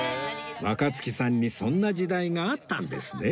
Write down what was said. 若槻さんにそんな時代があったんですね